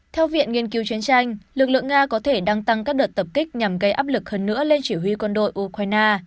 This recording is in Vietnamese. theo viện nghiên cứu chiến tranh lực lượng nga có thể đăng tăng các đợt tập kích nhằm gây áp lực hơn nữa lên chỉ huy quân đội ukraine